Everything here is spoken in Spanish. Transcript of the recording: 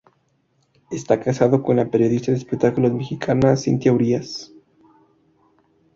Está casado con la periodista de espectáculos mexicana, Cynthia Urías.